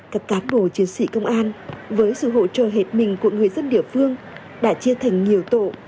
các cán bộ chiến sĩ công an với sự hỗ trợ hết mình của người dân địa phương đã chia thành nhiều tổ